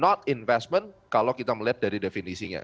ini bukan investasi kalau kita melihat dari definisinya